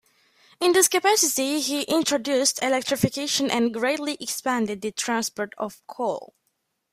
In this capacity he introduced electrification and greatly expanded the transport of coal.